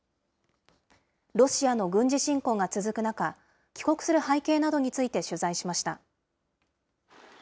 ロシアの軍事侵攻が続く中、帰国する背景などについて取材しました。